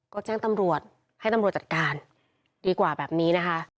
ก็แจ้งตำรวจให้ตำรวจจัดการดีกว่าแบบนี้นะคะ